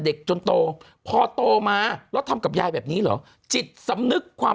จนโตพอโตมาแล้วทำกับยายแบบนี้เหรอจิตสำนึกความ